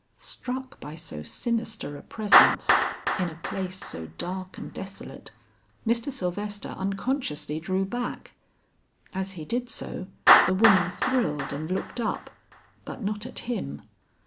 Struck by so sinister a presence in a place so dark and desolate, Mr. Sylvester unconsciously drew back. As he did so, the woman thrilled and looked up, but not at him.